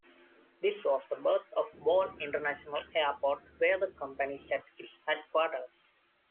This was the birth of Bole International Airport, where the company set its headquarters.